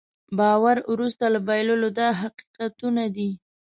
باور وروسته له بایللو دا حقیقتونه دي.